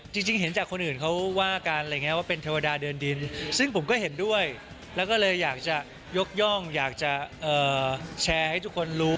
จริงเห็นจากคนอื่นเขาว่ากันอะไรอย่างนี้ว่าเป็นเทวดาเดินดินซึ่งผมก็เห็นด้วยแล้วก็เลยอยากจะยกย่องอยากจะแชร์ให้ทุกคนรู้